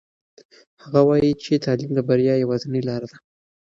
هغه وایي چې تعلیم د بریا یوازینۍ لاره ده.